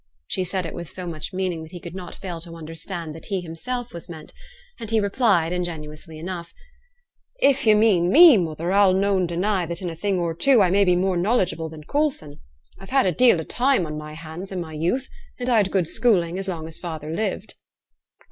She said it with so much meaning that he could not fail to understand that he himself was meant, and he replied, ingenuously enough, 'If yo' mean me, mother, I'll noane deny that in a thing or two I may be more knowledgeable than Coulson. I've had a deal o' time on my hands i' my youth, and I'd good schooling as long as father lived.'